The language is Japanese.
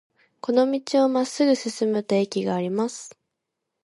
この道をまっすぐ進むと駅があります。